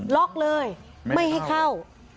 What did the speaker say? ล็อกเลยไม่ให้เข้า